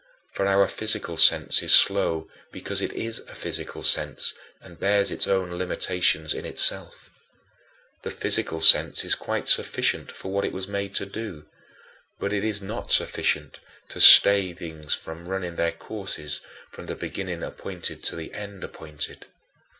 For our physical sense is slow because it is a physical sense and bears its own limitations in itself. The physical sense is quite sufficient for what it was made to do; but it is not sufficient to stay things from running their courses from the beginning appointed to the end appointed.